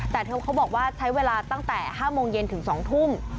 แต่เธอเขาบอกว่าใช้เวลาตั้งแต่๕โมงเย็นถึง๒ทุ่ม